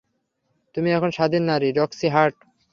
তুমি এখন স্বাধীন নারী, রক্সি হার্ট।